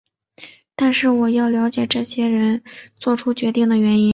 但是我要了解这些人作出决定的原因。